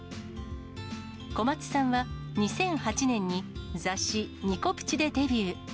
小松さんは２００８年に雑誌、ニコ☆プチでデビュー。